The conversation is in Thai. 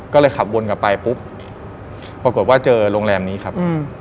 ก็เลยขับวนกลับไปปุ๊บปรากฏว่าเจอโรงแรมนี้ครับ